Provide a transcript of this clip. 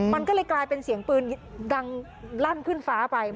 มันก็เลยกลายเป็นเสียงปืนดังลั่นขึ้นฟ้าไป